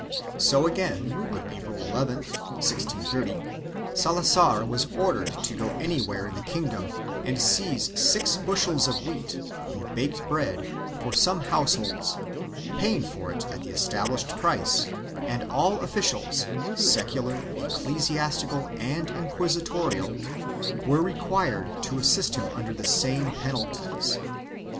So again, on April 11, 1630, Salazar was ordered to go anywhere in the kingdom and seize six bushels of wheat, in baked bread, for the same households, paying for it at the established price, and all officials, secular, ecclesiastical and inquisitorial, were required to assist him under the same penalties.